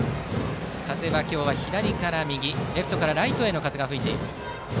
風は今日は左から右レフトからライトへの風が吹いています。